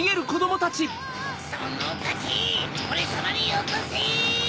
そのおかしオレさまによこせ！